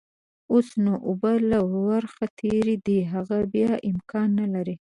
اوس نو اوبه له ورخ تېرې دي، هغه بيا امکان نلري.